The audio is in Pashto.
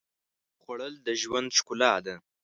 خوړل د ژوند ښکلا ده